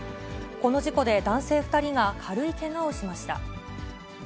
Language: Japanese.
この事故で男性２人が軽いけがをしました。